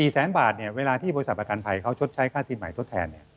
๔แสนบาทเวลาที่บริษัทประกันภัยเขาชดใช้ค่าสินใหม่ทดแทน